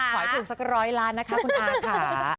ขอยถึงสักร้อยล้านนะครับคุณอ่านค่ะ